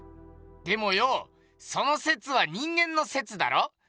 でもよその説は人間の説だろ？